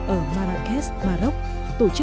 ở marrakesh maroc